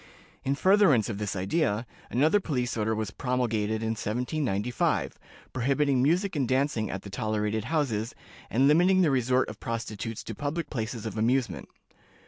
In furtherance of this idea, another police order was promulgated in 1795, prohibiting music and dancing at the tolerated houses, and limiting the resort of prostitutes to public places of amusement.